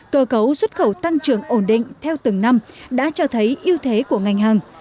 cơ cấu xuất khẩu tăng trưởng ổn định theo từng năm đã cho thấy ưu thế của ngành hàng